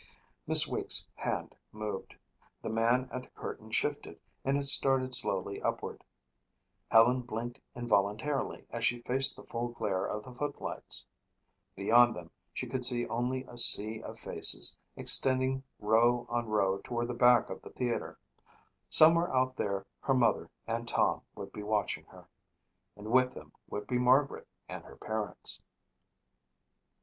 Miss Weeks' hand moved. The man at the curtain shifted and it started slowly upward. Helen blinked involuntarily as she faced the full glare of the footlights. Beyond them she could see only a sea of faces, extending row on row toward the back of the theater. Somewhere out there her mother and Tom would be watching her. And with them would be Margaret and her parents.